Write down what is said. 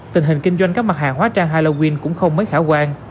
tình hình kinh doanh các mặt hàng hóa trang halloween cũng không mấy khả quan